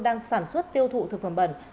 đang sản xuất tiêu thụ thực phẩm bẩn